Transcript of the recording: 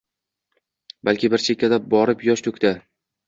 Balki bir chekkada borib yosh to’kdi.